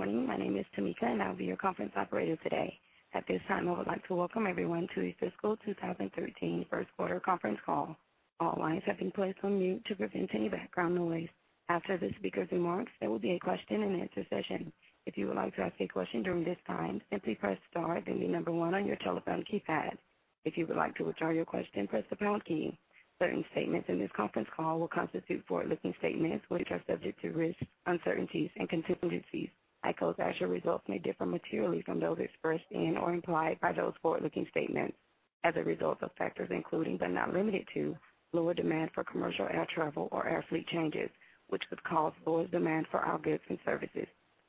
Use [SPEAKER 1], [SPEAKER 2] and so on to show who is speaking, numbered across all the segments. [SPEAKER 1] Good morning. My name is Tamika, and I will be your conference operator today. At this time, I would like to welcome everyone to the fiscal 2013 first quarter conference call. All lines have been placed on mute to prevent any background noise. After the speaker's remarks, there will be a question and answer session. If you would like to ask a question during this time, simply press star, then the number one on your telephone keypad. If you would like to withdraw your question, press the pound key. Certain statements in this conference call will constitute forward-looking statements, which are subject to risks, uncertainties, and contingencies. HEICO's actual results may differ materially from those expressed in or implied by those forward-looking statements as a result of factors including but not limited to, lower demand for commercial air travel or air fleet changes, which could cause lower demand for our goods and services.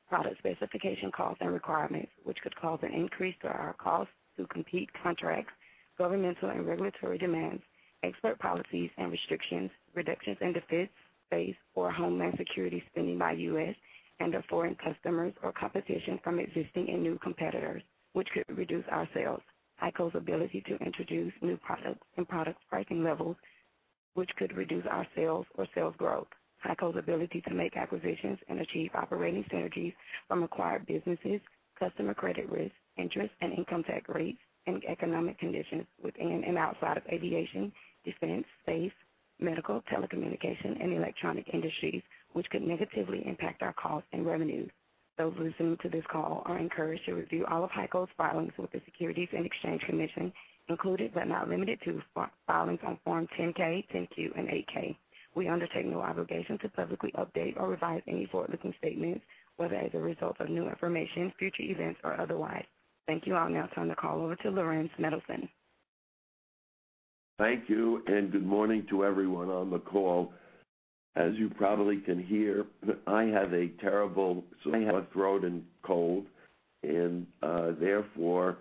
[SPEAKER 1] Product specification costs and requirements, which could cause an increase to our costs to compete contracts, governmental and regulatory demands, export policies and restrictions, reductions in defense, base, or homeland security spending by U.S. and our foreign customers or competition from existing and new competitors, which could reduce our sales. HEICO's ability to introduce new products and product pricing levels, which could reduce our sales or sales growth. HEICO's ability to make acquisitions and achieve operating synergies from acquired businesses, customer credit risk, interest and income tax rates, and economic conditions within and outside of aviation, defense, space, medical, telecommunication, and electronic industries, which could negatively impact our costs and revenues. Those listening to this call are encouraged to review all of HEICO's filings with the Securities and Exchange Commission, included but not limited to filings on Form 10-K, 10-Q, and 8-K. We undertake no obligation to publicly update or revise any forward-looking statements, whether as a result of new information, future events, or otherwise. Thank you. I'll now turn the call over to Laurans A. Mendelson.
[SPEAKER 2] Thank you. Good morning to everyone on the call. As you probably can hear, I have a terrible sore throat and cold, therefore,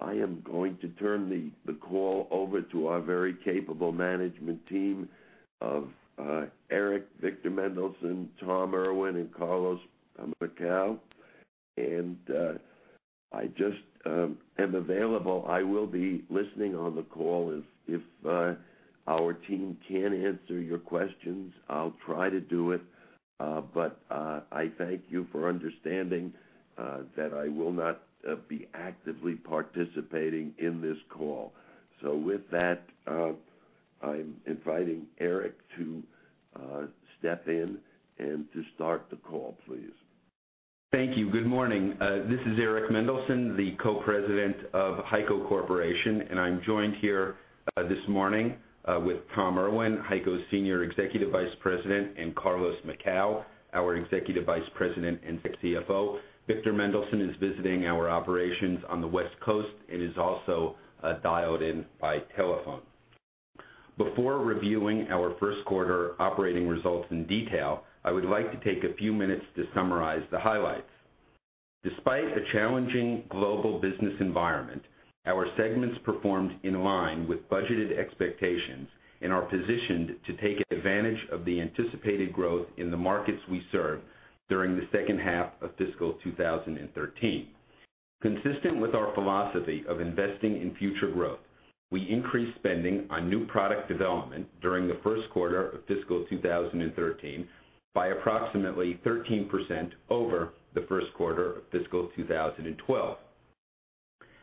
[SPEAKER 2] I am going to turn the call over to our very capable management team of Eric, Victor Mendelson, Thomas Irwin, and Carlos Macau. I just am available. I will be listening on the call. If our team can't answer your questions, I'll try to do it. I thank you for understanding that I will not be actively participating in this call. With that, I'm inviting Eric to step in and to start the call, please.
[SPEAKER 3] Thank you. Good morning. This is Eric Mendelson, the Co-President of HEICO Corporation. I'm joined here this morning with Thomas Irwin, HEICO's Senior Executive Vice President, and Carlos Macau, our Executive Vice President and CFO. Victor Mendelson is visiting our operations on the West Coast and is also dialed in by telephone. Before reviewing our first quarter operating results in detail, I would like to take a few minutes to summarize the highlights. Despite a challenging global business environment, our segments performed in line with budgeted expectations and are positioned to take advantage of the anticipated growth in the markets we serve during the second half of fiscal 2013. Consistent with our philosophy of investing in future growth, I increased spending on new product development during the first quarter of fiscal 2013 by approximately 13% over the first quarter of fiscal 2012.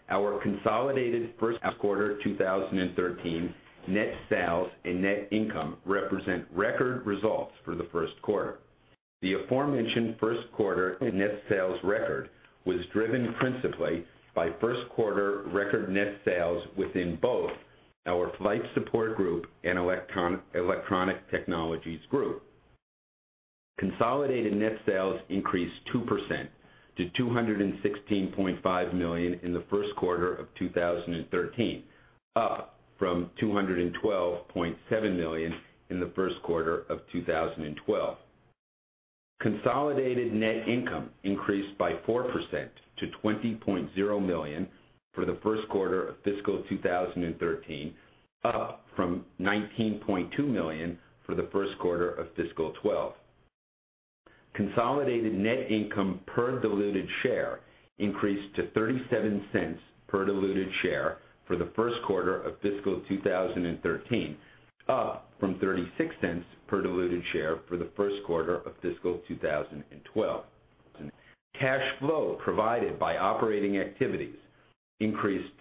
[SPEAKER 3] Our consolidated first quarter 2013 net sales and net income represent record results for the first quarter. The aforementioned first quarter net sales record was driven principally by first quarter record net sales within both our Flight Support Group and Electronic Technologies Group. Consolidated net sales increased 2% to $216.5 million in the first quarter of 2013, up from $212.7 million in the first quarter of 2012. Consolidated net income increased by 4% to $20.0 million for the first quarter of fiscal 2013, up from $19.2 million for the first quarter of fiscal 2012. Consolidated net income per diluted share increased to $0.37 per diluted share for the first quarter of fiscal 2013, up from $0.36 per diluted share for the first quarter of fiscal 2012. Cash flow provided by operating activities increased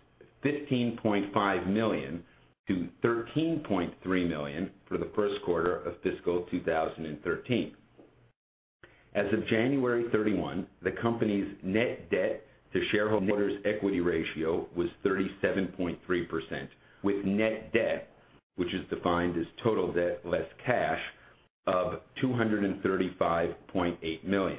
[SPEAKER 3] $15.5 million to $13.3 million for the first quarter of fiscal 2013. As of January 31, the company's net debt to shareholders' equity ratio was 37.3%, with net debt, which is defined as total debt less cash of $235.8 million.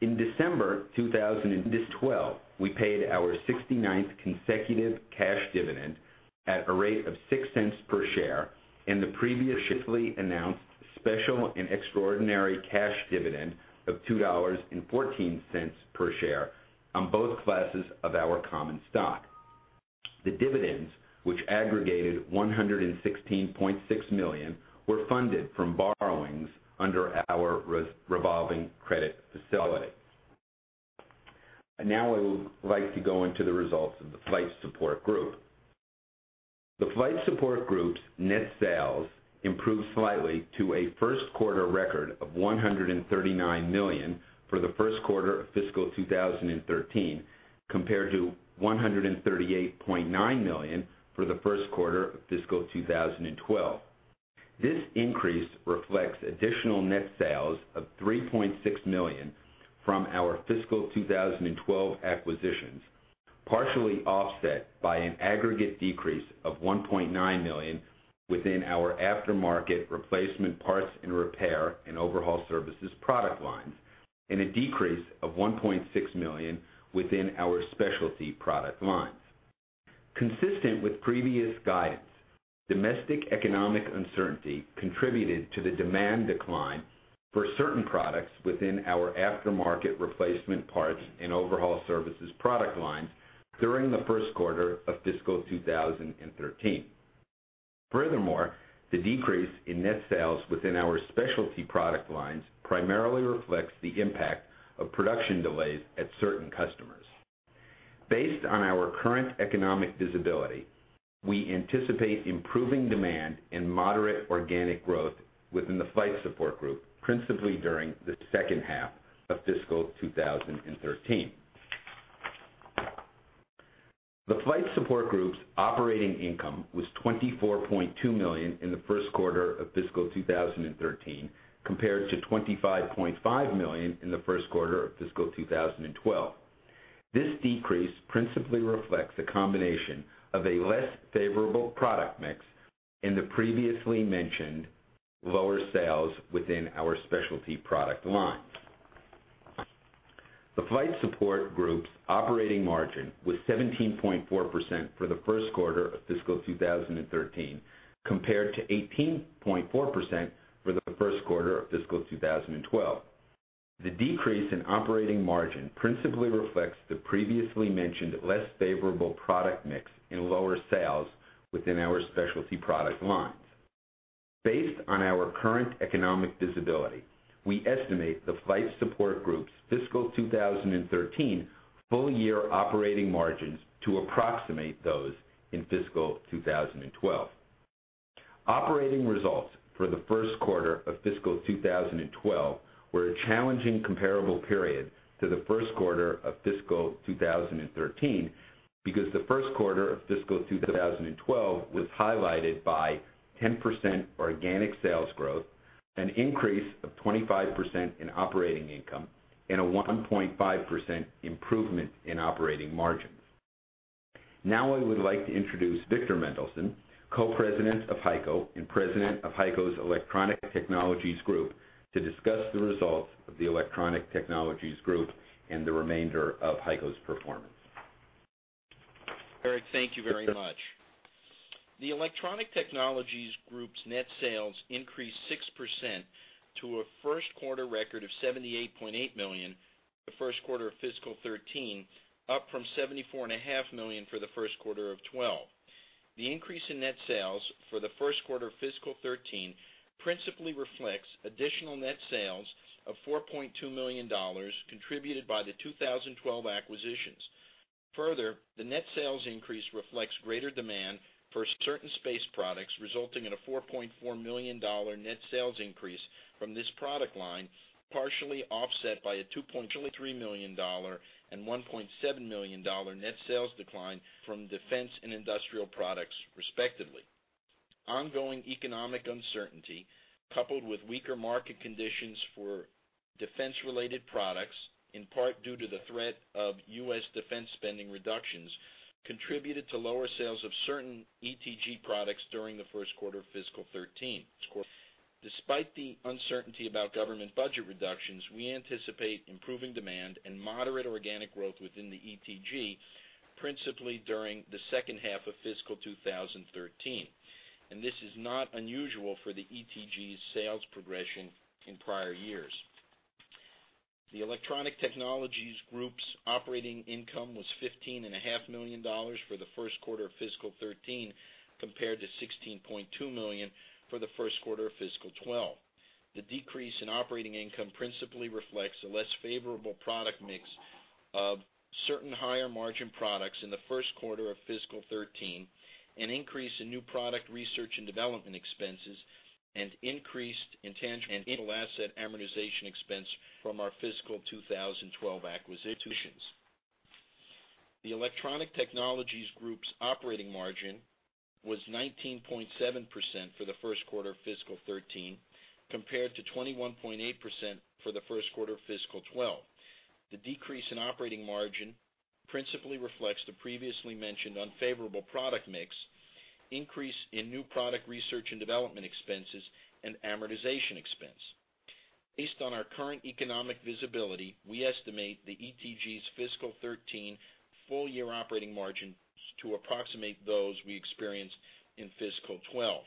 [SPEAKER 3] In December 2012, we paid our 69th consecutive cash dividend at a rate of $0.06 per share and the previously announced special and extraordinary cash dividend of $2.14 per share on both classes of our common stock. The dividends, which aggregated $116.6 million, were funded from borrowings under our revolving credit facility. I would like to go into the results of the Flight Support Group. The Flight Support Group's net sales improved slightly to a first quarter record of $139 million for the first quarter of fiscal 2013, compared to $138.9 million for the first quarter of fiscal 2012. This increase reflects additional net sales of $3.6 million from our fiscal 2012 acquisitions, partially offset by an aggregate decrease of $1.9 million within our aftermarket replacement parts and repair and overhaul services product lines, a decrease of $1.6 million within our specialty product lines. Consistent with previous guidance, domestic economic uncertainty contributed to the demand decline for certain products within our aftermarket replacement parts and overhaul services product lines during the first quarter of fiscal 2013. The decrease in net sales within our specialty product lines primarily reflects the impact of production delays at certain customers. Based on our current economic visibility, we anticipate improving demand and moderate organic growth within the Flight Support Group, principally during the second half of fiscal 2013. The Flight Support Group's operating income was $24.2 million in the first quarter of fiscal 2013, compared to $25.5 million in the first quarter of fiscal 2012. This decrease principally reflects a combination of a less favorable product mix and the previously mentioned lower sales within our specialty product lines. The Flight Support Group's operating margin was 17.4% for the first quarter of fiscal 2013, compared to 18.4% for the first quarter of fiscal 2012. The decrease in operating margin principally reflects the previously mentioned less favorable product mix and lower sales within our specialty product lines. Based on our current economic visibility, we estimate the Flight Support Group's fiscal 2013 full-year operating margins to approximate those in fiscal 2012. Operating results for the first quarter of fiscal 2012 were a challenging comparable period to the first quarter of fiscal 2013, because the first quarter of fiscal 2012 was highlighted by 10% organic sales growth, an increase of 25% in operating income, and a 1.5% improvement in operating margin. I would like to introduce Victor Mendelson, Co-President of HEICO and President of HEICO's Electronic Technologies Group, to discuss the results of the Electronic Technologies Group and the remainder of HEICO's performance.
[SPEAKER 4] Eric, thank you very much. The Electronic Technologies Group's net sales increased 6% to a first quarter record of $78.8 million the first quarter of fiscal 2013, up from $74.5 million for the first quarter of 2012. The increase in net sales for the first quarter of fiscal 2013 principally reflects additional net sales of $4.2 million contributed by the 2012 acquisitions. Further, the net sales increase reflects greater demand for certain space products, resulting in a $4.4 million net sales increase from this product line, partially offset by a $2.23 million and $1.7 million net sales decline from defense and industrial products, respectively. Ongoing economic uncertainty, coupled with weaker market conditions for defense-related products, in part due to the threat of U.S. defense spending reductions, contributed to lower sales of certain ETG products during the first quarter of fiscal 2013. Despite the uncertainty about government budget reductions, we anticipate improving demand and moderate organic growth within the ETG, principally during the second half of fiscal 2013. This is not unusual for the ETG's sales progression in prior years. The Electronic Technologies Group's operating income was $15.5 million for the first quarter of fiscal 2013, compared to $16.2 million for the first quarter of fiscal 2012. The decrease in operating income principally reflects a less favorable product mix of certain higher margin products in the first quarter of fiscal 2013, an increase in new product research and development expenses, and increased intangible asset amortization expense from our fiscal 2012 acquisitions. The Electronic Technologies Group's operating margin was 19.7% for the first quarter of fiscal 2013, compared to 21.8% for the first quarter of fiscal 2012. The decrease in operating margin principally reflects the previously mentioned unfavorable product mix, increase in new product research and development expenses, and amortization expense. Based on our current economic visibility, we estimate the ETG's fiscal 2013 full-year operating margins to approximate those we experienced in fiscal 2012.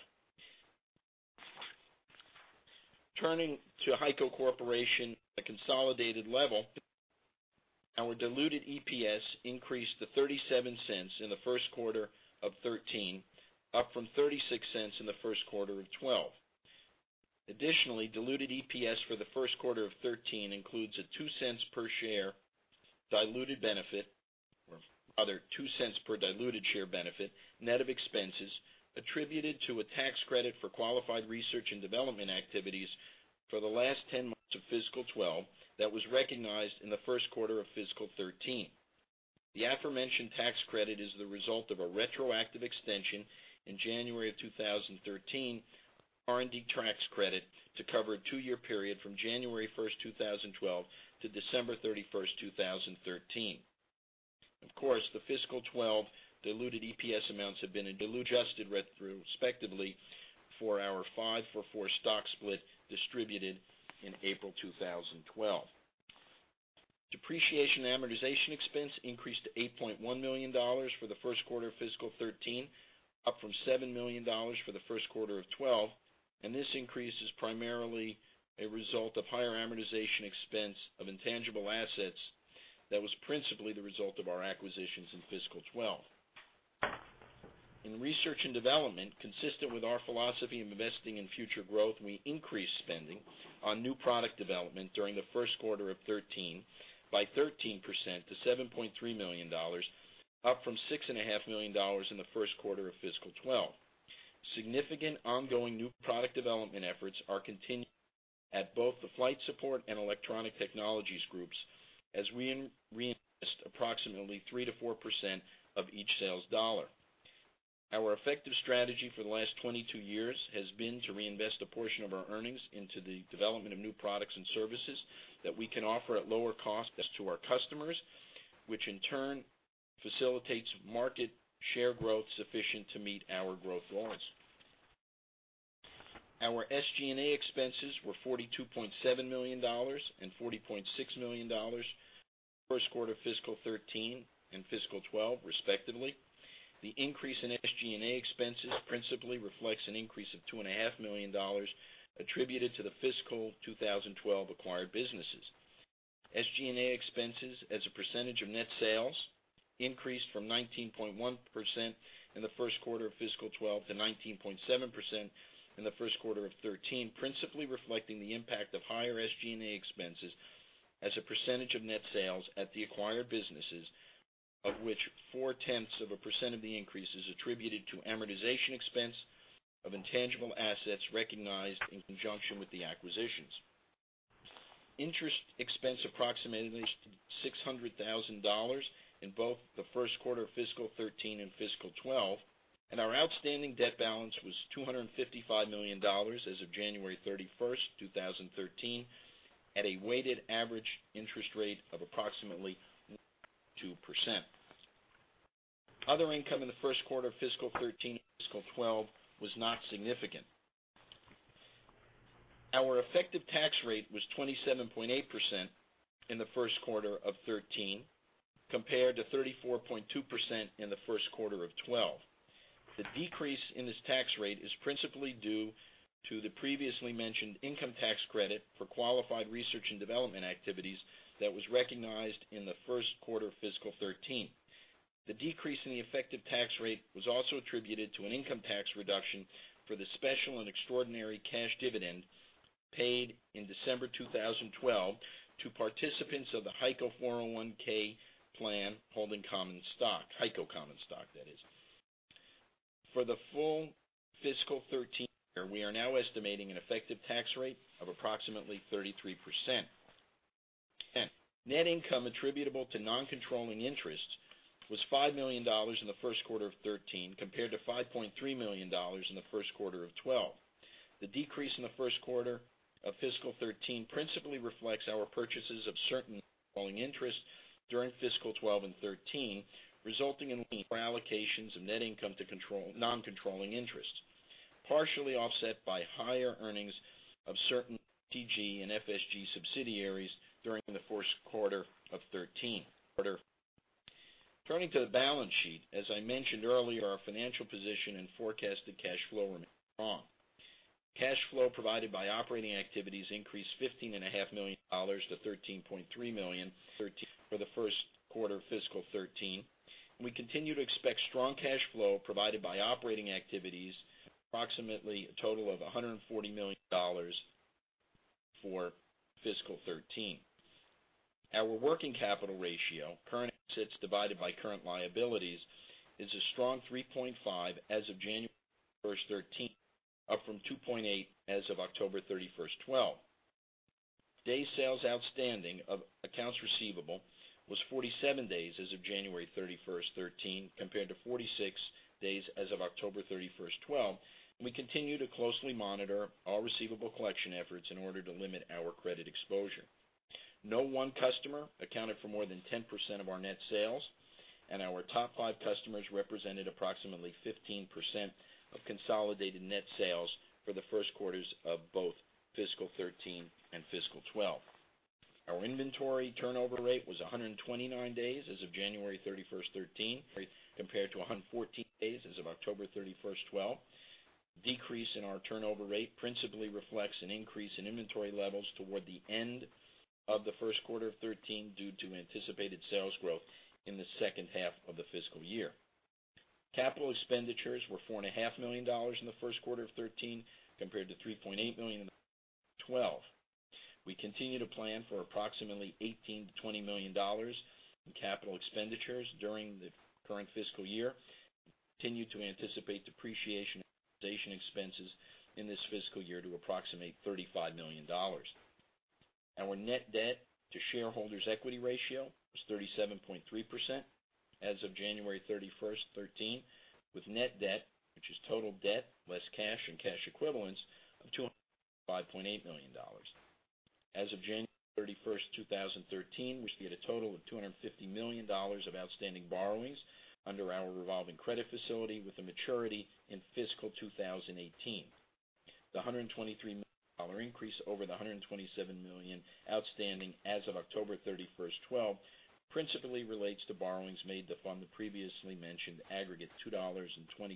[SPEAKER 4] Turning to HEICO Corporation at consolidated level, our diluted EPS increased to $0.37 in the first quarter of 2013, up from $0.36 in the first quarter of 2012. Additionally, diluted EPS for the first quarter of 2013 includes a $0.02 per share diluted benefit, or rather $0.02 per diluted share benefit, net of expenses attributed to a tax credit for qualified research and development activities for the last 10 months of fiscal 2012 that was recognized in the first quarter of fiscal 2013. The aforementioned tax credit is the result of a retroactive extension in January 2013, R&D tax credit to cover a two-year period from January 1st, 2012 to December 31st, 2013. Of course, the fiscal 2012 diluted EPS amounts have been adjusted retrospectively for our five-for-four stock split distributed in April 2012. Depreciation amortization expense increased to $8.1 million for the first quarter of fiscal 2013, up from $7 million for the first quarter of 2012. This increase is primarily a result of higher amortization expense of intangible assets that was principally the result of our acquisitions in fiscal 2012. In research and development, consistent with our philosophy of investing in future growth, we increased spending on new product development during the first quarter of 2013 by 13% to $7.3 million, up from $6.5 million in the first quarter of fiscal 2012. Significant ongoing new product development efforts are continuing at both the Flight Support Group and Electronic Technologies Group, as we invest approximately 3%-4% of each sales dollar. Our effective strategy for the last 22 years has been to reinvest a portion of our earnings into the development of new products and services that we can offer at lower costs to our customers, which in turn facilitates market share growth sufficient to meet our growth goals. Our SG&A expenses were $42.7 million and $40.6 million the first quarter of fiscal 2013 and fiscal 2012, respectively. The increase in SG&A expenses principally reflects an increase of $2.5 million attributed to the fiscal 2012 acquired businesses. SG&A expenses as a percentage of net sales increased from 19.1% in the first quarter of fiscal 2012 to 19.7% in the first quarter of 2013, principally reflecting the impact of higher SG&A expenses as a percentage of net sales at the acquired businesses, of which four-tenths of a percent of the increase is attributed to amortization expense of intangible assets recognized in conjunction with the acquisitions. Interest expense approximated $600,000 in both the first quarter of fiscal 2013 and fiscal 2012. Our outstanding debt balance was $255 million as of January 31st, 2013, at a weighted average interest rate of approximately 2%. Other income in the first quarter of fiscal 2013 and fiscal 2012 was not significant. Our effective tax rate was 27.8% in the first quarter of 2013 compared to 34.2% in the first quarter of 2012. The decrease in this tax rate is principally due to the previously mentioned income tax credit for qualified research and development activities that was recognized in the first quarter of fiscal 2013. The decrease in the effective tax rate was also attributed to an income tax reduction for the special and extraordinary cash dividend paid in December 2012 to participants of the HEICO 401 plan holding HEICO common stock. For the full fiscal 2013 year, we are now estimating an effective tax rate of approximately 33%. Net income attributable to non-controlling interests was $5 million in the first quarter of 2013 compared to $5.3 million in the first quarter of 2012. The decrease in the first quarter of fiscal 2013 principally reflects our purchases of certain non-controlling interests during fiscal 2012 and 2013, resulting in lower allocations of net income to non-controlling interests, partially offset by higher earnings of certain ETG and FSG subsidiaries during the first quarter of 2013. Turning to the balance sheet. As I mentioned earlier, our financial position and forecasted cash flow remain strong. Cash flow provided by operating activities increased $15.5 million to $13.3 million for the first quarter of fiscal 2013. We continue to expect strong cash flow provided by operating activities, approximately a total of $140 million for fiscal 2013. Our working capital ratio, current assets divided by current liabilities, is a strong 3.5 as of January 1st, 2013, up from 2.8 as of October 31st, 2012. Day sales outstanding of accounts receivable was 47 days as of January 31st, 2013 compared to 46 days as of October 31st, 2012, and we continue to closely monitor our receivable collection efforts in order to limit our credit exposure. No one customer accounted for more than 10% of our net sales, and our top five customers represented approximately 15% of consolidated net sales for the first quarters of both fiscal 2013 and fiscal 2012. Our inventory turnover rate was 129 days as of January 31st, 2013 compared to 114 days as of October 31st, 2012. Decrease in our turnover rate principally reflects an increase in inventory levels toward the end of the first quarter of 2013 due to anticipated sales growth in the second half of the fiscal year. Capital expenditures were $4.5 million in the first quarter of 2013 compared to $3.8 million in 2012. We continue to plan for approximately $18 million-$20 million in capital expenditures during the current fiscal year. We continue to anticipate depreciation expenses in this fiscal year to approximate $35 million. Our net debt to shareholders' equity ratio was 37.3% as of January 31st, 2013, with net debt, which is total debt less cash and cash equivalents, of $205.8 million. As of January 31st, 2013, we see a total of $250 million of outstanding borrowings under our revolving credit facility with a maturity in fiscal 2018. The $123 million increase over the $127 million outstanding as of October 31st, 2012 principally relates to borrowings made to fund the previously mentioned aggregate $2.20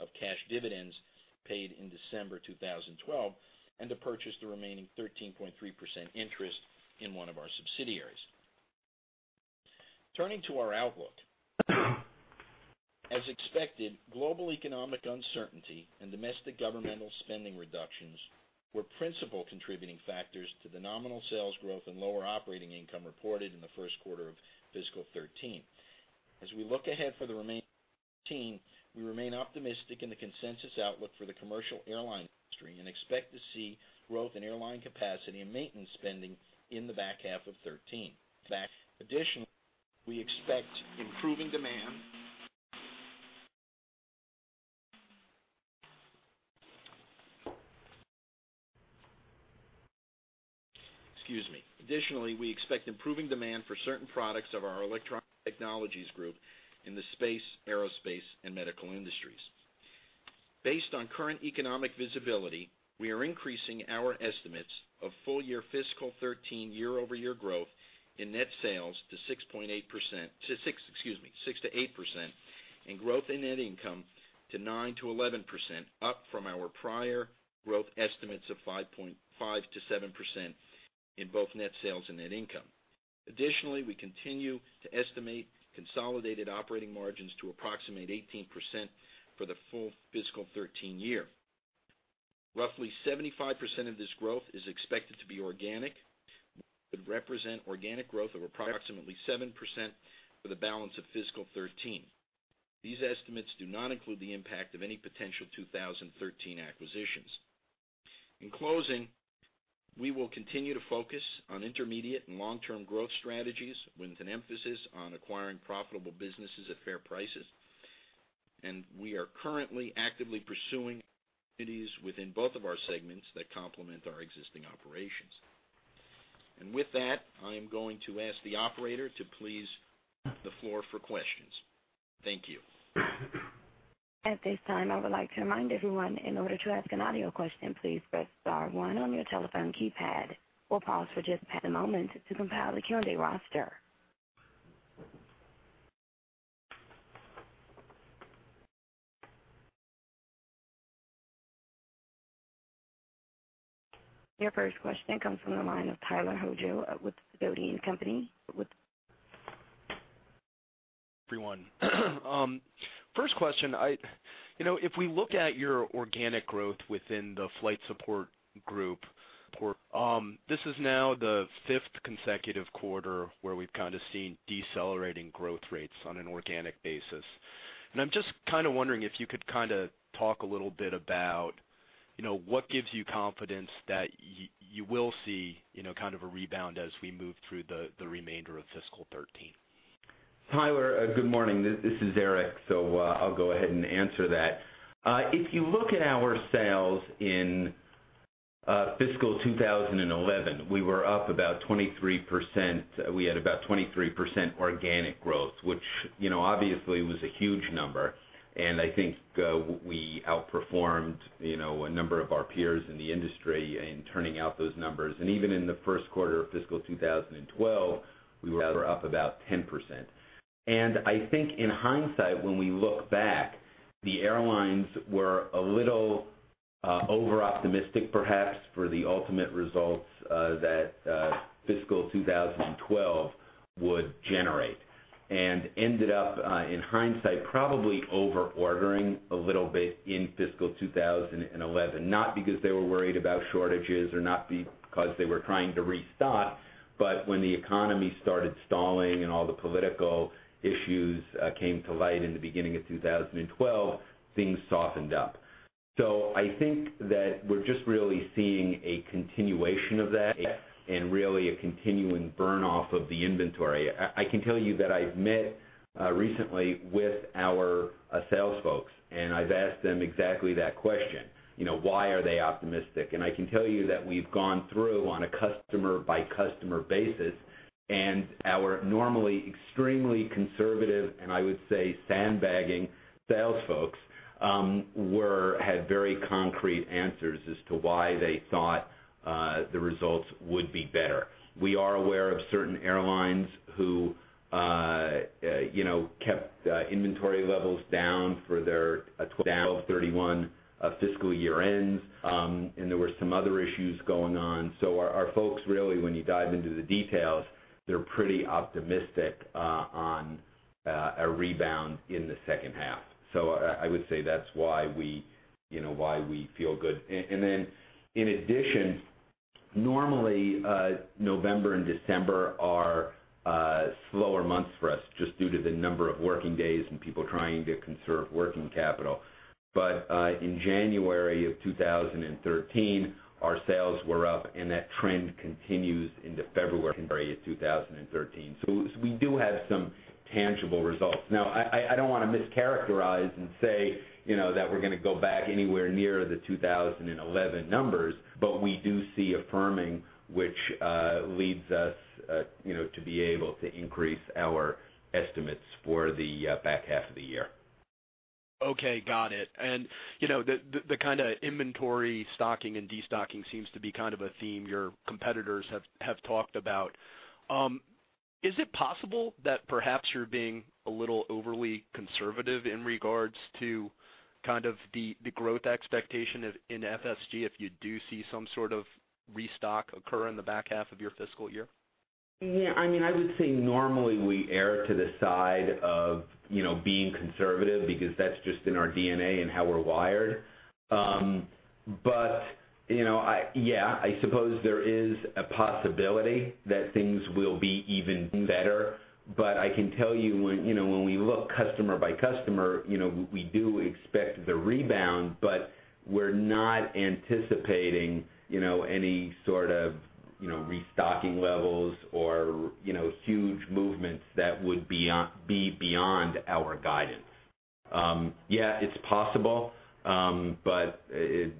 [SPEAKER 4] of cash dividends paid in December 2012 and to purchase the remaining 13.3% interest in one of our subsidiaries. Turning to our outlook. As expected, global economic uncertainty and domestic governmental spending reductions were principal contributing factors to the nominal sales growth and lower operating income reported in the first quarter of fiscal 2013. As we look ahead for the remaining we remain optimistic in the consensus outlook for the commercial airline industry and expect to see growth in airline capacity and maintenance spending in the back half of 2013. Additionally, we expect improving demand. Excuse me. Additionally, we expect improving demand for certain products of our Electronic Technologies Group in the space, aerospace, and medical industries. Based on current economic visibility, we are increasing our estimates of full year fiscal 2013 year-over-year growth in net sales to 6%-8%, and growth in net income to 9%-11%, up from our prior growth estimates of 5%-7% in both net sales and net income. Additionally, we continue to estimate consolidated operating margins to approximate 18% for the full fiscal 2013 year. Roughly 75% of this growth is expected to be organic, which would represent organic growth of approximately 7% for the balance of fiscal 2013. These estimates do not include the impact of any potential 2013 acquisitions. In closing, we will continue to focus on intermediate and long-term growth strategies with an emphasis on acquiring profitable businesses at fair prices, and we are currently actively pursuing entities within both of our segments that complement our existing operations. With that, I am going to ask the operator to please open up the floor for questions. Thank you.
[SPEAKER 1] At this time, I would like to remind everyone, in order to ask an audio question, please press star one on your telephone keypad. We'll pause for just a moment to compile the queuing roster. Your first question comes from the line of Tyler Hojo with Dougherty & Company.
[SPEAKER 5] Everyone. First question. If we look at your organic growth within the Flight Support Group, this is now the fifth consecutive quarter where we've kind of seen decelerating growth rates on an organic basis. I'm just kind of wondering if you could talk a little bit about what gives you confidence that you will see a rebound as we move through the remainder of fiscal 2013?
[SPEAKER 3] Tyler, good morning. This is Eric, I'll go ahead and answer that. If you look at our sales in fiscal 2011, we were up about 23%. We had about 23% organic growth, which obviously was a huge number, and I think we outperformed a number of our peers in the industry in turning out those numbers. Even in the first quarter of fiscal 2012, we were up about 10%. I think in hindsight, when we look back, the airlines were a little over-optimistic, perhaps, for the ultimate results that fiscal 2012 would generate and ended up, in hindsight, probably over-ordering a little bit in fiscal 2011. Not because they were worried about shortages or not because they were trying to restock, but when the economy started stalling and all the political issues came to light in the beginning of 2012, things softened up.
[SPEAKER 4] I think that we're just really seeing a continuation of that, really a continuing burn-off of the inventory. I can tell you that I've met recently with our sales folks, I've asked them exactly that question, why are they optimistic? I can tell you that we've gone through on a customer-by-customer basis, our normally extremely conservative, and I would say sandbagging, sales folks had very concrete answers as to why they thought the results would be better. We are aware of certain airlines who kept inventory levels down for their 12/31 fiscal year ends, there were some other issues going on. Our folks really, when you dive into the details, they're pretty optimistic on a rebound in the second half. I would say that's why we feel good. Then in addition
[SPEAKER 6] Normally, November and December are slower months for us just due to the number of working days and people trying to conserve working capital. In January of 2013, our sales were up, that trend continues into February of 2013. We do have some tangible results. Now, I don't want to mischaracterize and say that we're going to go back anywhere near the 2011 numbers, but we do see affirming, which leads us to be able to increase our estimates for the back half of the year.
[SPEAKER 5] Okay, got it. The kind of inventory stocking and destocking seems to be kind of a theme your competitors have talked about. Is it possible that perhaps you're being a little overly conservative in regards to kind of the growth expectation in FSG if you do see some sort of restock occur in the back half of your fiscal year?
[SPEAKER 3] I would say normally we err to the side of being conservative because that's just in our DNA and how we're wired. I suppose there is a possibility that things will be even better. I can tell you when we look customer by customer, we do expect the rebound, but we're not anticipating any sort of restocking levels or huge movements that would be beyond our guidance. It's possible, but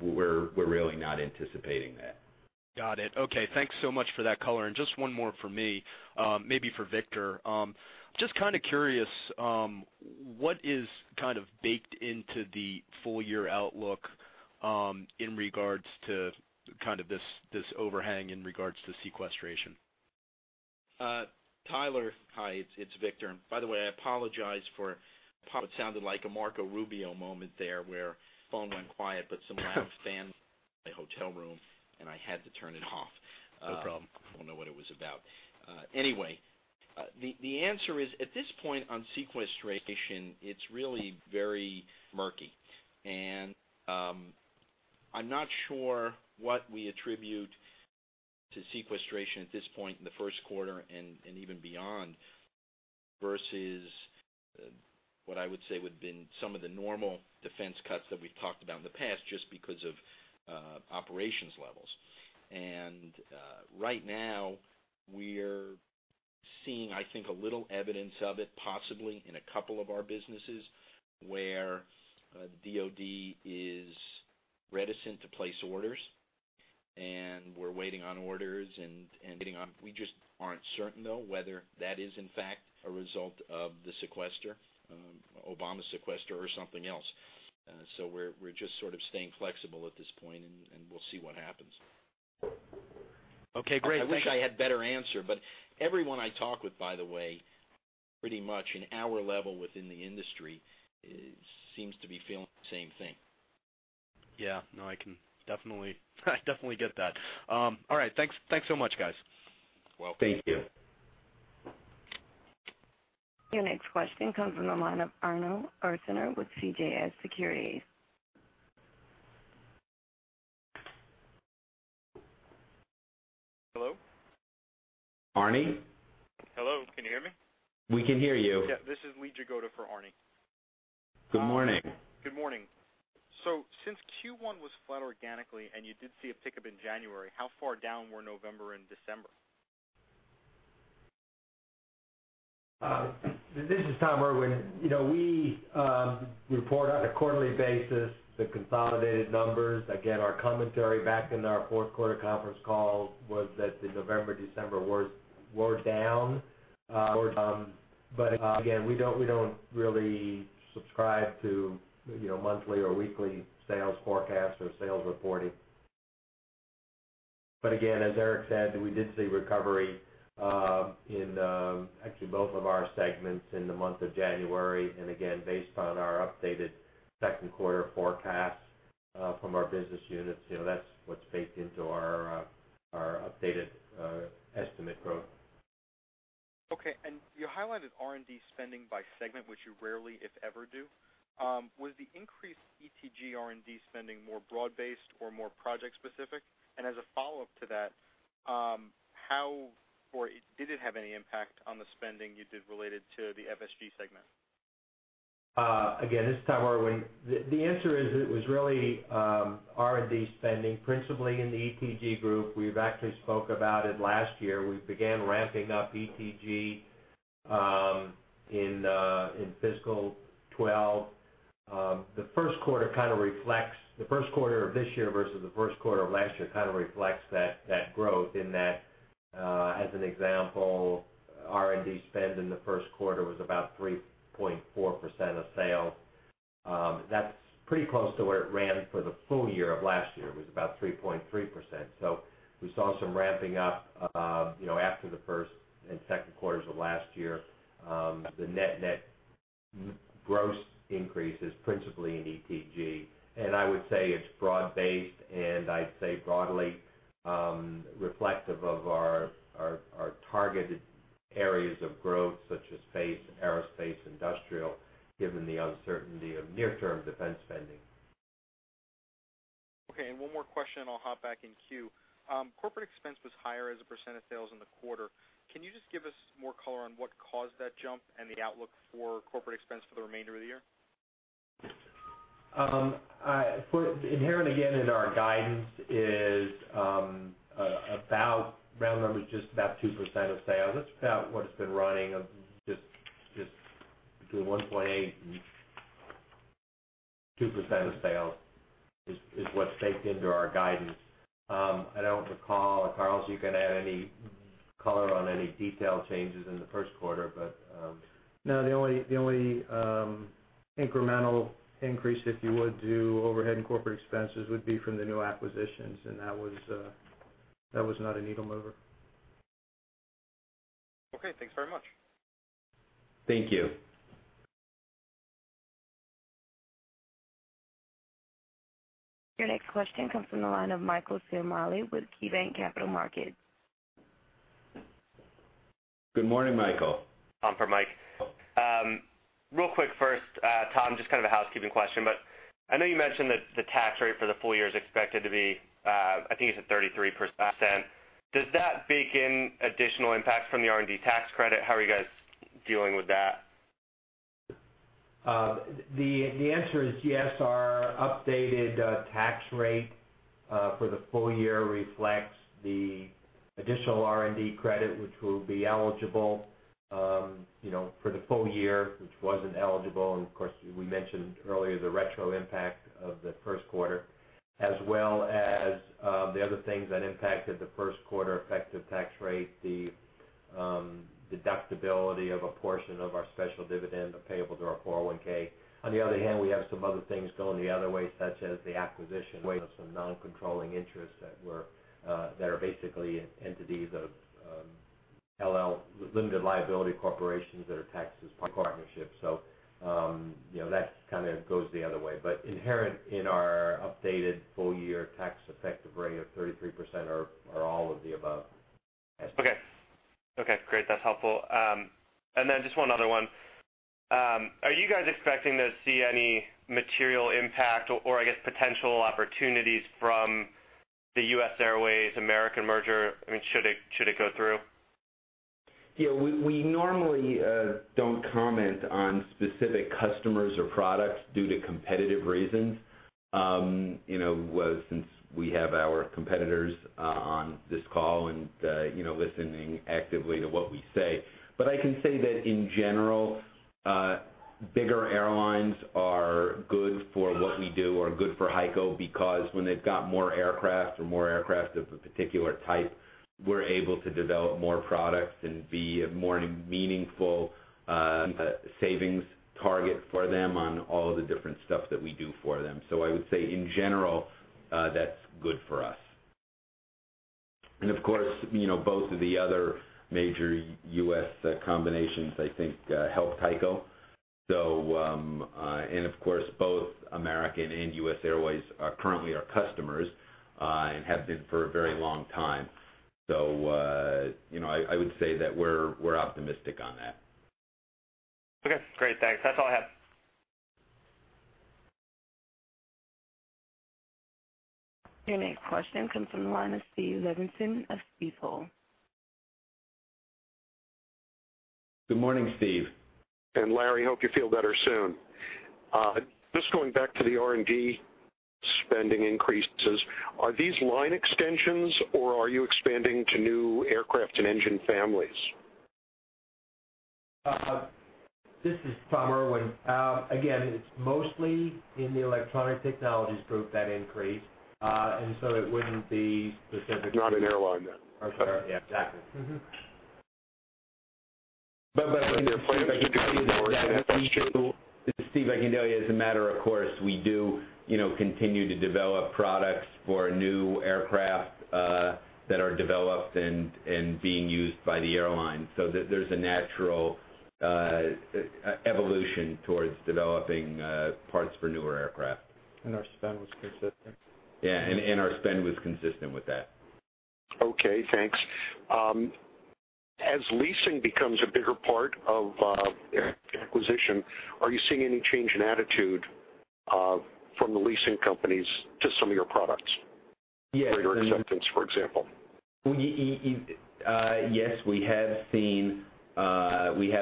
[SPEAKER 3] we're really not anticipating that.
[SPEAKER 5] Got it. Okay. Thanks so much for that color. Just one more from me, maybe for Victor. Just kind of curious, what is kind of baked into the full year outlook in regards to kind of this overhang in regards to sequestration?
[SPEAKER 4] Tyler, hi, it's Victor. By the way, I apologize for what sounded like a Marco Rubio moment there where phone went quiet, but some kind of fan in my hotel room, and I had to turn it off.
[SPEAKER 5] No problem.
[SPEAKER 4] I don't know what it was about. The answer is, at this point on sequestration, it's really very murky. I'm not sure what we attribute to sequestration at this point in the first quarter and even beyond, versus what I would say would've been some of the normal defense cuts that we've talked about in the past, just because of operations levels. Right now we're seeing, I think, a little evidence of it, possibly in a couple of our businesses, where DoD is reticent to place orders, and we're waiting on orders and getting on. We just aren't certain, though, whether that is in fact a result of the sequester, Obama sequester or something else. We're just sort of staying flexible at this point, and we'll see what happens.
[SPEAKER 5] Okay, great. Thank you.
[SPEAKER 4] I wish I had better answer. Everyone I talk with, by the way, pretty much in our level within the industry, seems to be feeling the same thing.
[SPEAKER 5] Yeah. No, I can definitely get that. All right. Thanks so much, guys.
[SPEAKER 3] Welcome.
[SPEAKER 4] Thank you.
[SPEAKER 1] Your next question comes from the line of Arne Arntzen with CJS Securities.
[SPEAKER 7] Hello?
[SPEAKER 3] Arnie?
[SPEAKER 7] Hello, can you hear me?
[SPEAKER 3] We can hear you.
[SPEAKER 7] Yeah, this is Lee Jagoda for Arne.
[SPEAKER 3] Good morning.
[SPEAKER 7] Good morning. Since Q1 was flat organically and you did see a pickup in January, how far down were November and December?
[SPEAKER 6] This is Thomas Irwin. We report on a quarterly basis the consolidated numbers. Again, our commentary back in our fourth quarter conference call was that the November, December were down. Again, we don't really subscribe to monthly or weekly sales forecasts or sales reporting. Again, as Eric said, we did see recovery in actually both of our segments in the month of January. Again, based on our updated second quarter forecast from our business units, that's what's baked into our updated estimate growth.
[SPEAKER 7] Okay. You highlighted R&D spending by segment, which you rarely, if ever, do. Was the increased ETG R&D spending more broad-based or more project specific? As a follow-up to that, did it have any impact on the spending you did related to the FSG segment?
[SPEAKER 6] Again, this is Thomas Irwin. The answer is it was really R&D spending, principally in the ETG group. We've actually spoke about it last year. We began ramping up ETG in fiscal 2012. The first quarter of this year versus the first quarter of last year kind of reflects that growth in that, as an example, R&D spend in the first quarter was about 3.4% of sales. That's pretty close to where it ran for the full year of last year. It was about 3.3%. We saw some ramping up after the first and second quarters of last year. The net-net gross increase is principally in ETG, and I would say it's broad based, and I'd say broadly reflective of our targeted
[SPEAKER 3] Areas of growth such as space, aerospace, industrial, given the uncertainty of near-term defense spending.
[SPEAKER 7] Okay, and one more question, and I'll hop back in queue. Corporate expense was higher as a % of sales in the quarter. Can you just give us more color on what caused that jump and the outlook for corporate expense for the remainder of the year?
[SPEAKER 6] Inherent, again, in our guidance is about, round numbers, just about 2% of sales. That's about what it's been running, just between 1.8% and 2% of sales is what's baked into our guidance. I don't recall. Carlos, you can add any color on any detail changes in the first quarter, but-
[SPEAKER 8] No, the only incremental increase, if you would, to overhead and corporate expenses would be from the new acquisitions, and that was not a needle mover.
[SPEAKER 7] Okay, thanks very much.
[SPEAKER 3] Thank you.
[SPEAKER 1] Your next question comes from the line of Michael Ciarmoli with KeyBanc Capital Markets.
[SPEAKER 3] Good morning, Michael.
[SPEAKER 9] For Mike. Real quick first, Tom, just kind of a housekeeping question, I know you mentioned that the tax rate for the full year is expected to be, I think it's at 33%. Does that bake in additional impacts from the R&D tax credit? How are you guys dealing with that?
[SPEAKER 6] The answer is yes. Our updated tax rate for the full year reflects the additional R&D credit, which will be eligible for the full year, which wasn't eligible. Of course, we mentioned earlier the retro impact of the first quarter, as well as the other things that impacted the first quarter effective tax rate, the deductibility of a portion of our special dividend payable to our 401. On the other hand, we have some other things going the other way, such as the acquisition way of some non-controlling interests that are basically entities of limited liability corporations that are taxed as partnerships. That kind of goes the other way. Inherent in our updated full-year tax effective rate of 33% are all of the above.
[SPEAKER 9] Okay. Great. That's helpful. Then just one other one. Are you guys expecting to see any material impact or, I guess, potential opportunities from the US Airways American merger, should it go through?
[SPEAKER 3] Yeah, we normally don't comment on specific customers or products due to competitive reasons, since we have our competitors on this call and listening actively to what we say. I can say that in general, bigger airlines are good for what we do or good for HEICO because when they've got more aircraft or more aircraft of a particular type, we're able to develop more products and be a more meaningful savings target for them on all of the different stuff that we do for them. I would say, in general, that's good for us. Of course, both of the other major U.S. combinations, I think, help HEICO. Of course, both American and US Airways are currently our customers and have been for a very long time. I would say that we're optimistic on that.
[SPEAKER 9] Okay, great. Thanks. That's all I have.
[SPEAKER 1] Your next question comes from the line of Steve Levenson of Stifel.
[SPEAKER 3] Good morning, Steve.
[SPEAKER 10] Larry, hope you feel better soon. Just going back to the R&D spending increases. Are these line extensions, or are you expanding to new aircraft and engine families?
[SPEAKER 6] This is Thomas Irwin. Again, it's mostly in the Electronic Technologies Group, that increase. It wouldn't be specific-
[SPEAKER 10] Not an airline, then.
[SPEAKER 6] Yeah, exactly. Mm-hmm.
[SPEAKER 8] They're plans to continue to work that question.
[SPEAKER 3] This is Steve. I can tell you, as a matter of course, we do continue to develop products for new aircraft that are developed and being used by the airlines. There's a natural evolution towards developing parts for newer aircraft.
[SPEAKER 8] Our spend was consistent.
[SPEAKER 3] Yeah. Our spend was consistent with that.
[SPEAKER 10] Okay, thanks. As leasing becomes a bigger part of acquisition, are you seeing any change in attitude from the leasing companies to some of your products?
[SPEAKER 3] Yes.
[SPEAKER 10] Greater acceptance, for example.
[SPEAKER 3] Yes, we have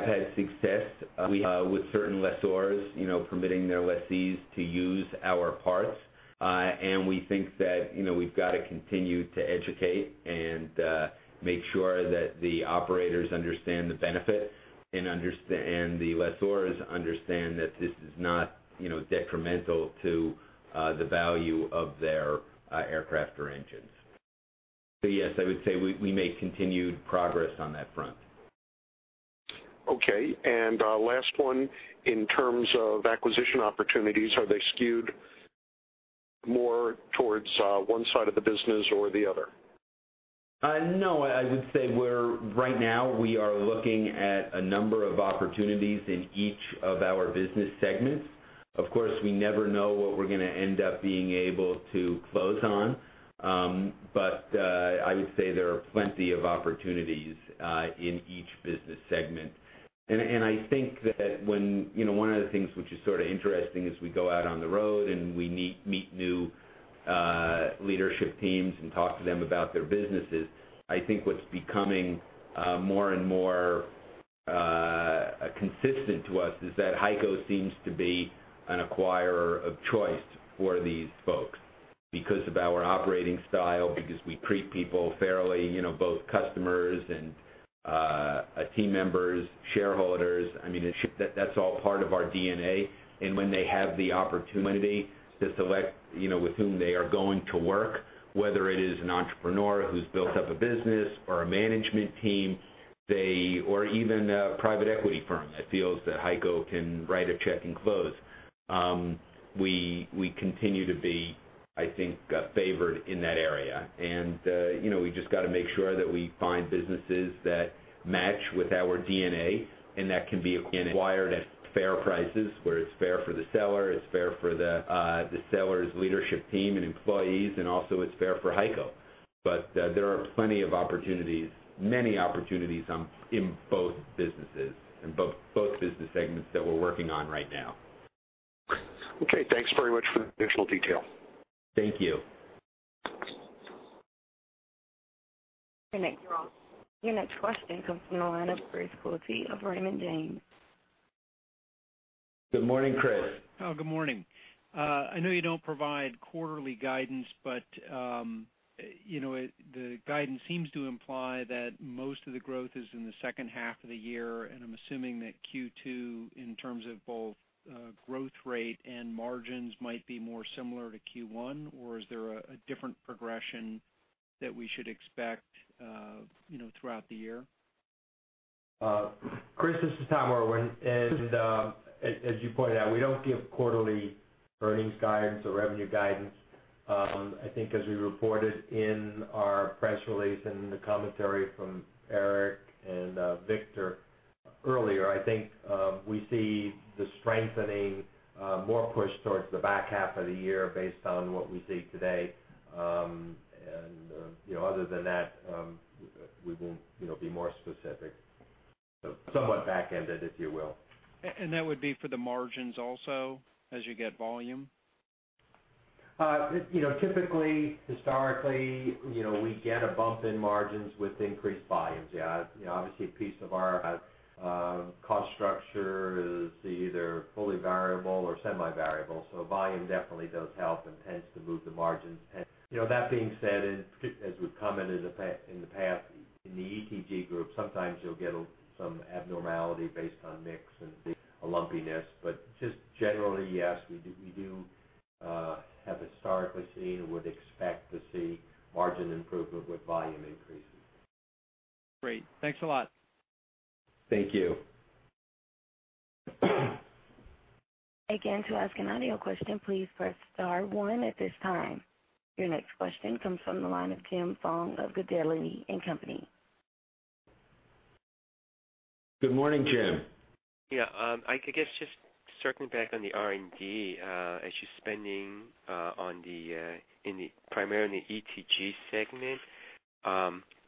[SPEAKER 3] had success with certain lessors permitting their lessees to use our parts. We think that we've got to continue to educate and make sure that the operators understand the benefit and the lessors understand that this is not detrimental to the value of their aircraft or engines. Yes, I would say we make continued progress on that front.
[SPEAKER 10] Okay. Last one. In terms of acquisition opportunities, are they skewed more towards one side of the business or the other?
[SPEAKER 3] No, I would say right now we are looking at a number of opportunities in each of our business segments. Of course, we never know what we're going to end up being able to close on. I would say there are plenty of opportunities in each business segment. I think that one of the things which is sort of interesting is we go out on the road, and we meet new leadership teams and talk to them about their businesses. I think what's becoming more and more consistent to us is that HEICO seems to be an acquirer of choice for these folks, because of our operating style, because we treat people fairly, both customers and team members, shareholders. That's all part of our DNA. When they have the opportunity to select with whom they are going to work, whether it is an entrepreneur who's built up a business or a management team, or even a private equity firm that feels that HEICO can write a check and close. We continue to be, I think, favored in that area. We've just got to make sure that we find businesses that match with our DNA and that can be acquired at fair prices, where it's fair for the seller, it's fair for the seller's leadership team and employees, and also it's fair for HEICO. There are plenty of opportunities, many opportunities in both businesses segments that we're working on right now.
[SPEAKER 10] Okay, thanks very much for the additional detail.
[SPEAKER 3] Thank you.
[SPEAKER 1] Your next question comes from the line of Chris Cooley of Raymond James.
[SPEAKER 3] Good morning, Chris.
[SPEAKER 11] Oh, good morning. I know you don't provide quarterly guidance. The guidance seems to imply that most of the growth is in the second half of the year, and I'm assuming that Q2, in terms of both growth rate and margins, might be more similar to Q1. Is there a different progression that we should expect throughout the year?
[SPEAKER 6] Chris, this is Thomas Irwin. As you pointed out, we don't give quarterly earnings guidance or revenue guidance. I think as we reported in our press release and the commentary from Eric and Victor earlier, I think we see the strengthening more pushed towards the back half of the year based on what we see today. Other than that, we won't be more specific. Somewhat back-ended, if you will.
[SPEAKER 11] That would be for the margins also, as you get volume?
[SPEAKER 6] Typically, historically, we get a bump in margins with increased volumes. Yeah. Obviously, a piece of our cost structure is either fully variable or semi-variable, so volume definitely does help and tends to move the margins. That being said, as we've commented in the past, in the ETG group, sometimes you'll get some abnormality based on mix and see a lumpiness. Just generally, yes, we do have historically seen and would expect to see margin improvement with volume increases.
[SPEAKER 11] Great. Thanks a lot.
[SPEAKER 3] Thank you.
[SPEAKER 1] Again, to ask an audio question, please press star one at this time. Your next question comes from the line of Jim Foung of Gabelli & Company.
[SPEAKER 3] Good morning, Jim.
[SPEAKER 12] Yeah. I guess just circling back on the R&D, as you're spending primarily in the ETG segment,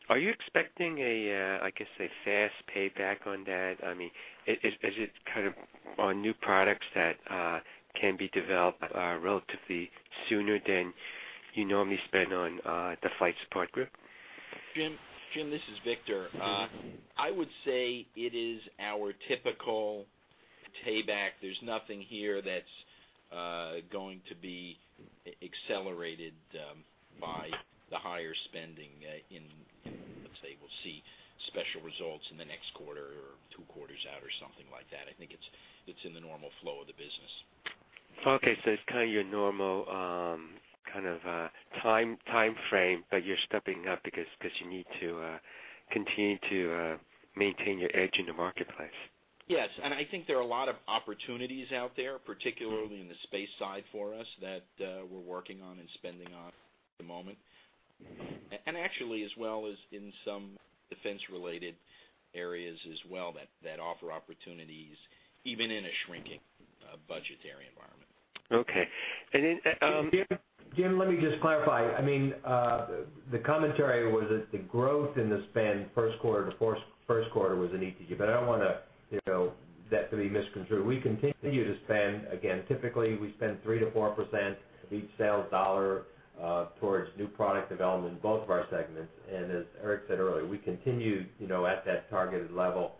[SPEAKER 12] are you expecting a, I guess a fast payback on that? Is it kind of on new products that can be developed relatively sooner than you normally spend on the Flight Support Group?
[SPEAKER 4] Jim, this is Victor. I would say it is our typical payback. There's nothing here that's going to be accelerated by the higher spending in, let's say, we'll see special results in the next quarter or two quarters out or something like that. I think it's in the normal flow of the business.
[SPEAKER 12] It's kind of your normal kind of timeframe, but you're stepping up because you need to continue to maintain your edge in the marketplace.
[SPEAKER 4] I think there are a lot of opportunities out there, particularly in the space side for us, that we're working on and spending on at the moment. Actually, as well as in some defense-related areas as well that offer opportunities, even in a shrinking budgetary environment.
[SPEAKER 12] Okay.
[SPEAKER 6] Jim, let me just clarify. The commentary was that the growth in the spend first quarter-to-first quarter was in ETG, but I don't want that to be misconstrued. We continue to spend. Again, typically, we spend 3%-4% of each sales dollar towards new product development in both of our segments. As Eric said earlier, we continue at that targeted level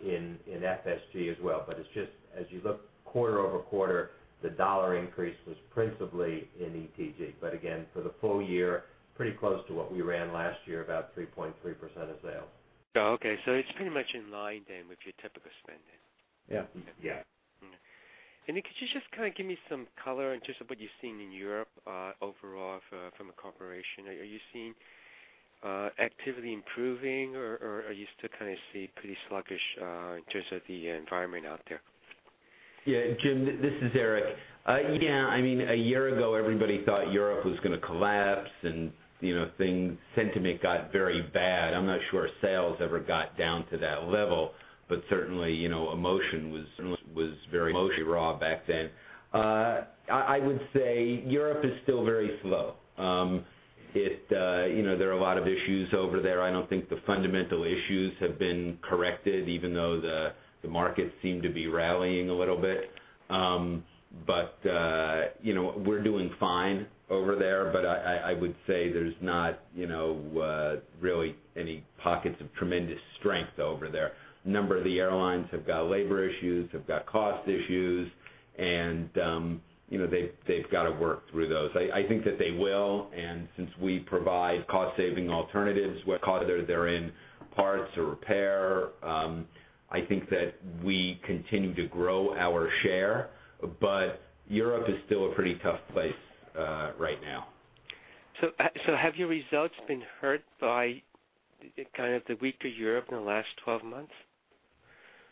[SPEAKER 6] in FSG as well. It's just as you look quarter-over-quarter, the dollar increase was principally in ETG. Again, for the full year, pretty close to what we ran last year, about 3.3% of sales.
[SPEAKER 12] Oh, okay. It's pretty much in line then with your typical spending.
[SPEAKER 4] Yeah. Yeah.
[SPEAKER 12] Could you just kind of give me some color in just what you're seeing in Europe overall from a corporation? Are you seeing activity improving, or are you still kind of see pretty sluggish in terms of the environment out there?
[SPEAKER 3] Yeah, Jim, this is Eric. Yeah. A year ago, everybody thought Europe was going to collapse and sentiment got very bad. I'm not sure sales ever got down to that level, but certainly, emotion was very raw back then. I would say Europe is still very slow. There are a lot of issues over there. I don't think the fundamental issues have been corrected, even though the markets seem to be rallying a little bit. We're doing fine over there, but I would say there's not really any pockets of tremendous strength over there. A number of the airlines have got labor issues, have got cost issues, and they've got to work through those. I think that they will, since we provide cost-saving alternatives, whether they're in parts or repair, I think that we continue to grow our share. Europe is still a pretty tough place right now.
[SPEAKER 12] Have your results been hurt by the weaker Europe in the last 12 months?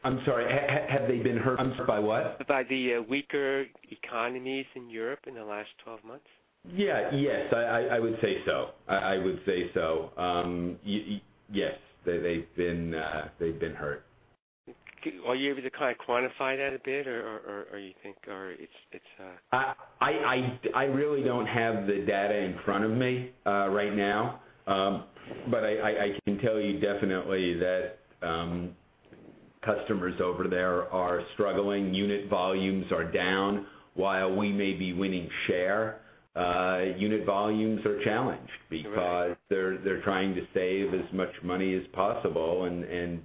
[SPEAKER 3] I'm sorry, have they been hurt by what?
[SPEAKER 12] By the weaker economies in Europe in the last 12 months?
[SPEAKER 3] Yes, I would say so. Yes. They've been hurt.
[SPEAKER 12] Are you able to kind of quantify that a bit?
[SPEAKER 3] I really don't have the data in front of me right now. I can tell you definitely that customers over there are struggling. Unit volumes are down. While we may be winning share, unit volumes are challenged because they're trying to save as much money as possible and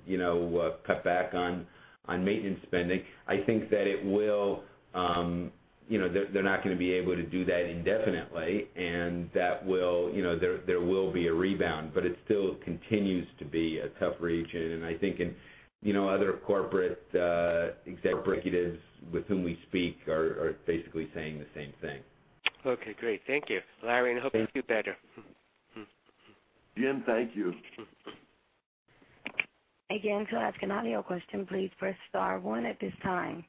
[SPEAKER 3] cut back on maintenance spending. I think that they're not going to be able to do that indefinitely, and there will be a rebound, but it still continues to be a tough region, and I think, other corporate executives with whom we speak are basically saying the same thing.
[SPEAKER 12] Okay, great. Thank you, Larry, and hope you feel better.
[SPEAKER 3] Jim, thank you.
[SPEAKER 1] Again, to ask an audio question, please press star one at this time.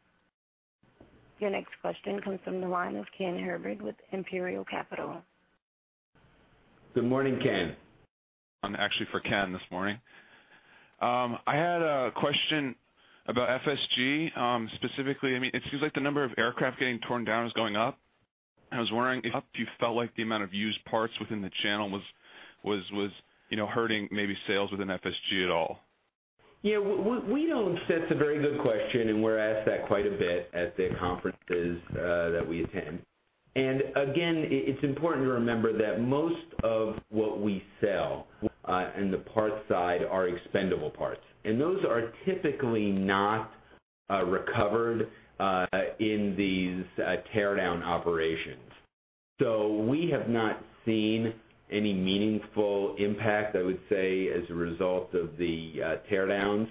[SPEAKER 1] Your next question comes from the line of Ken Herbert with Imperial Capital.
[SPEAKER 3] Good morning, Ken.
[SPEAKER 13] I'm actually for Ken this morning. I had a question about FSG, specifically, it seems like the number of aircraft getting torn down is going up. I was wondering if you felt like the amount of used parts within the channel was hurting maybe sales within FSG at all?
[SPEAKER 3] Yeah. That's a very good question. We're asked that quite a bit at the conferences that we attend. Again, it's important to remember that most of what we sell in the parts side are expendable parts. Those are typically not recovered in these teardown operations. We have not seen any meaningful impact, I would say, as a result of the teardowns,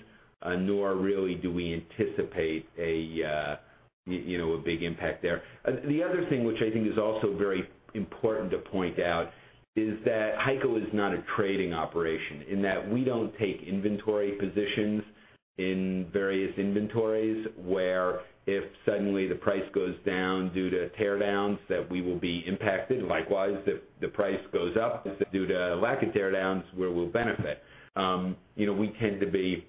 [SPEAKER 3] nor really do we anticipate a big impact there. The other thing, which I think is also very important to point out, is that HEICO is not a trading operation, in that we don't take inventory positions in various inventories, where if suddenly the price goes down due to teardowns, that we will be impacted. Likewise, if the price goes up due to a lack of teardowns, we will benefit. We tend to be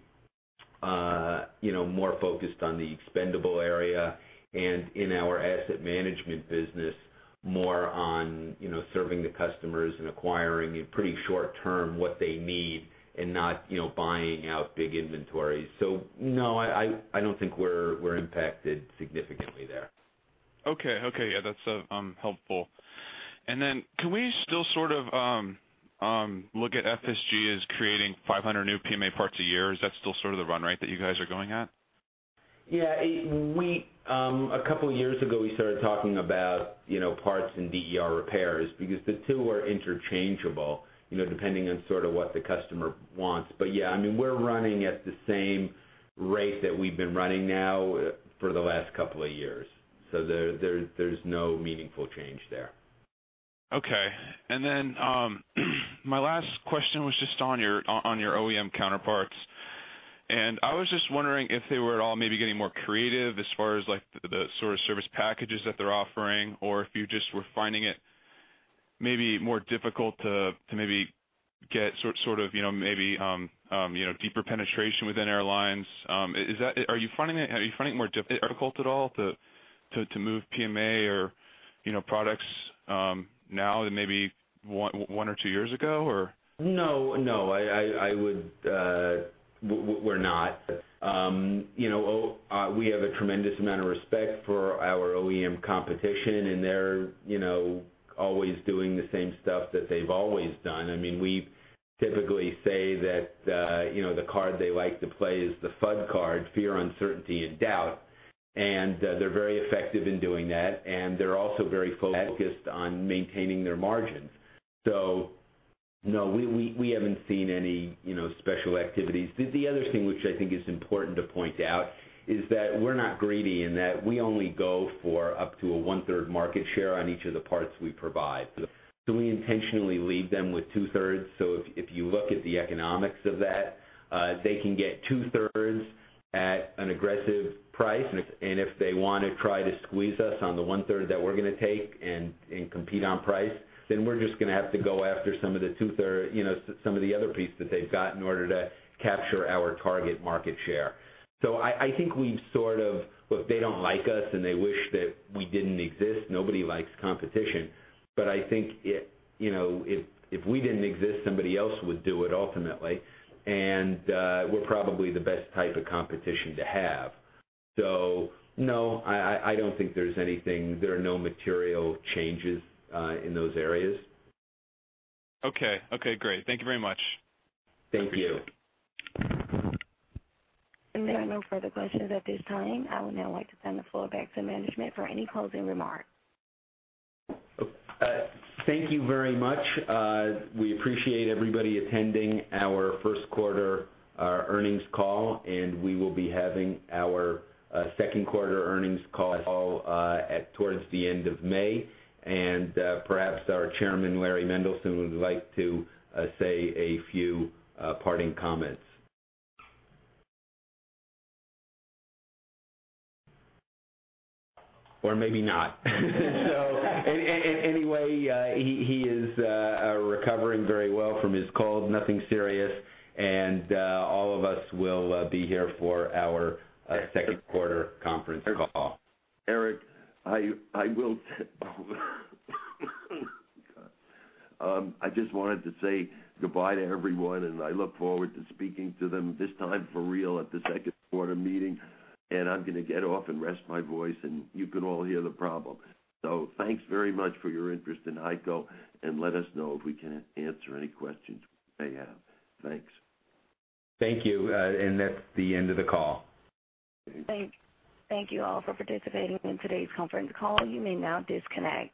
[SPEAKER 3] more focused on the expendable area and in our asset management business, more on serving the customers and acquiring, in pretty short term, what they need and not buying out big inventories. No, I don't think we're impacted significantly there.
[SPEAKER 13] Okay. Yeah, that's helpful. Can we still look at FSG as creating 500 new PMA parts a year? Is that still sort of the run rate that you guys are going at?
[SPEAKER 3] Yeah. A couple of years ago, we started talking about parts and DER repairs, because the two are interchangeable, depending on sort of what the customer wants. Yeah, we're running at the same rate that we've been running now for the last couple of years. There's no meaningful change there.
[SPEAKER 13] Okay. My last question was just on your OEM counterparts. I was just wondering if they were at all maybe getting more creative as far as the sort of service packages that they're offering, or if you just were finding it maybe more difficult to maybe get sort of maybe deeper penetration within airlines. Are you finding it more difficult at all to move PMA or products now than maybe one or two years ago, or?
[SPEAKER 3] No. We're not. We have a tremendous amount of respect for our OEM competition, they're always doing the same stuff that they've always done. We typically say that the card they like to play is the FUD card, fear, uncertainty, and doubt. They're very effective in doing that, they're also very focused on maintaining their margins. No, we haven't seen any special activities. The other thing which I think is important to point out is that we're not greedy in that we only go for up to a one-third market share on each of the parts we provide. We intentionally leave them with two-thirds. If you look at the economics of that, they can get two-thirds at an aggressive price, if they want to try to squeeze us on the one-third that we're going to take and compete on price, we're just going to have to go after some of the other pieces that they've got in order to capture our target market share. I think they don't like us, they wish that we didn't exist. Nobody likes competition. I think if we didn't exist, somebody else would do it ultimately, we're probably the best type of competition to have. No, I don't think there's anything. There are no material changes in those areas.
[SPEAKER 13] Okay. Okay, great. Thank you very much.
[SPEAKER 3] Thank you.
[SPEAKER 1] There are no further questions at this time. I would now like to turn the floor back to management for any closing remarks.
[SPEAKER 3] Thank you very much. We appreciate everybody attending our first quarter earnings call, and we will be having our second quarter earnings call towards the end of May. Perhaps our chairman, Larry Mendelson, would like to say a few parting comments. Maybe not. Anyway, he is recovering very well from his cold, nothing serious, and all of us will be here for our second quarter conference call.
[SPEAKER 2] Eric, I just wanted to say goodbye to everyone, and I look forward to speaking to them, this time for real, at the second quarter meeting. I'm going to get off and rest my voice, and you can all hear the problem. Thanks very much for your interest in HEICO, and let us know if we can answer any questions you may have. Thanks.
[SPEAKER 3] Thank you, and that's the end of the call.
[SPEAKER 1] Thank you all for participating in today's conference call. You may now disconnect.